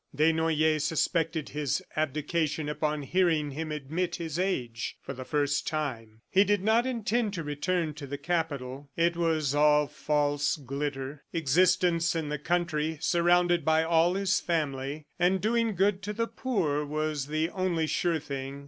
... Desnoyers suspected his abdication upon hearing him admit his age, for the first time. He did not intend to return to the capital. It was all false glitter. Existence in the country, surrounded by all his family and doing good to the poor was the only sure thing.